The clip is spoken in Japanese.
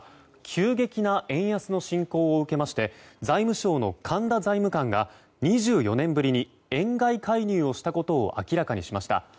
急激な円安の進行を受けまして財務省の神田財務官が２４年ぶりに円買い介入したことを明らかにしました。